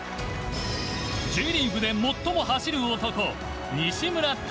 Ｊリーグで最も走る男西村拓真。